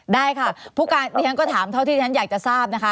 ได้ค่ะผู้การเรียนก็ถามเท่าที่ฉันอยากจะทราบนะคะ